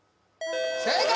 正解！